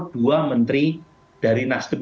dua menteri dari nasdem